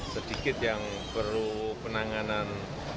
sedikit yang perlu penanganan